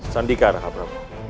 sendika raka prabu